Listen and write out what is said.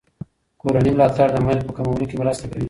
کورني ملاتړ د میل په کمولو کې مرسته کوي.